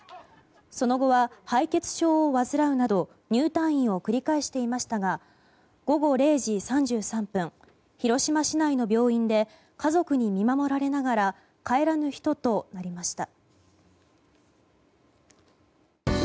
その後は、敗血症を患うなど入退院を繰り返していましたが午後０時３３分広島市内の病院で家族に見守られながら帰らぬ人となりました。